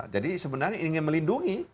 jadi sebenarnya ingin melindungi